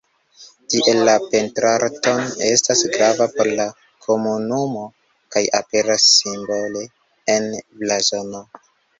Tiel la pentrarto estas grava por la komunumo kaj aperas simbole en la blazono.